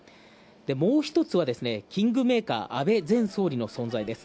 もうひとつはですね、キングメーカー、安倍前総理の存在です。